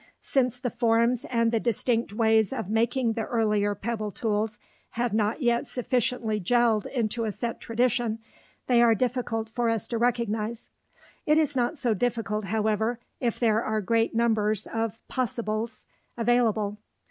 Since the forms and the distinct ways of making the earlier pebble tools had not yet sufficiently jelled into a set tradition, they are difficult for us to recognize. It is not so difficult, however, if there are great numbers of "possibles" available.